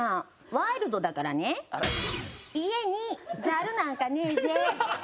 ワイルドだからね家にザルなんかねえぜ。